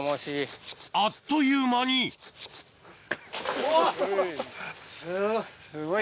あっという間にすごい。